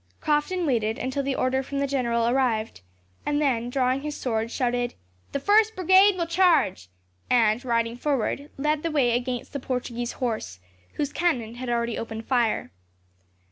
Crofton waited until the order from the general arrived, and then, drawing his sword, shouted, "The first brigade will charge," and, riding forward, led the way against the Portuguese horse, whose cannon had already opened fire.